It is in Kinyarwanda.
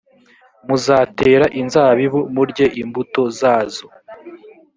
muzatera inzabibu murye imbuto zazo